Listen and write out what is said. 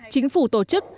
chính phủ tổ chức